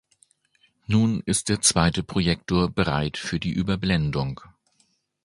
Nun ist der zweite Projektor bereit für die Überblendung.